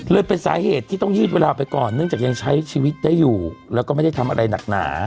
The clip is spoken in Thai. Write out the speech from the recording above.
เป็นสาเหตุที่ต้องยืดเวลาไปก่อนเนื่องจากยังใช้ชีวิตได้อยู่แล้วก็ไม่ได้ทำอะไรหนักหนา